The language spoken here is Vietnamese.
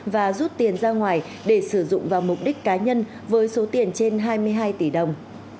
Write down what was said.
và rút tiền ra ngoài để sử dụng vào mục đích cá nhân với số tiền trên hai mươi hai tỷ đồng